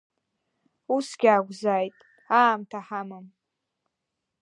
Усгьы акәзааит, аамҭа ҳамам…